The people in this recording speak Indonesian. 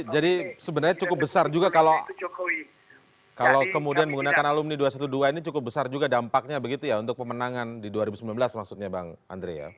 jadi sebenarnya cukup besar juga kalau kemudian menggunakan alumni dua ratus dua belas ini cukup besar juga dampaknya begitu ya untuk pemenangan di dua ribu sembilan belas maksudnya bang andre ya